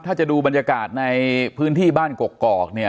ถ้าจะดูบรรยากาศในพื้นที่บ้านกรก